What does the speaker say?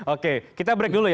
oke kita break dulu ya